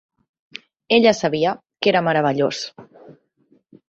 Ella sabia que era meravellós.